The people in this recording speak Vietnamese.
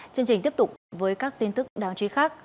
chương trình tiếp tục với các tin tức đáng chí khác